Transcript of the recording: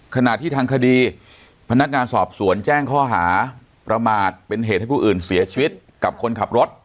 ขณะที่ทางคดีพนักงานสอบสวนแจ้งข้อหาประมาทเป็นเหตุให้ผู้อื่นเสียชีวิตกับคนขับรถ